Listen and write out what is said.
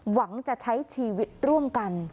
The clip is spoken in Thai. หวังจะใช้ชีวิตร่วมกัน